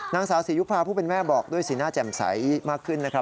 นางสาวศรียุภาผู้เป็นแม่บอกด้วยสีหน้าแจ่มใสมากขึ้นนะครับ